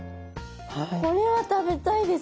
これは食べたいです。